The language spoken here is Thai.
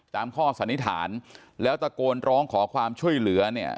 ข้อสันนิษฐานแล้วตะโกนร้องขอความช่วยเหลือเนี่ย